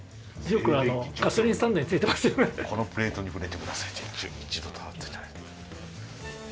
よくガソリンスタンドについてますよね。「このプレートに触れて下さい」。